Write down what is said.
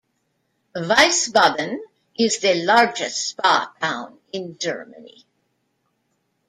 Wiesbaden is the largest spa town in Germany.